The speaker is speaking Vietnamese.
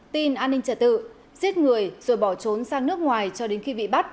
tin an ninh trả tự giết người rồi bỏ trốn sang nước ngoài cho đến khi bị bắt